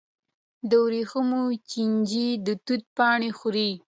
د ورېښمو چینجي د توت پاڼې خوري.